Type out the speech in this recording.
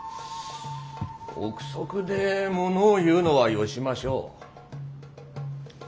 臆測でものを言うのはよしましょう。